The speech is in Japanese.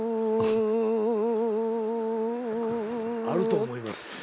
あると思います。